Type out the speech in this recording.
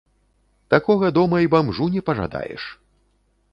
Такога дома і бамжу не пажадаеш.